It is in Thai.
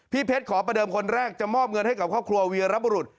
เพชรขอประเดิมคนแรกจะมอบเงินให้กับครอบครัวเวียระบุรุษ